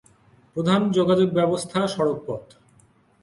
প্রধান যোগাযোগ ব্যবস্থা সড়ক পথ।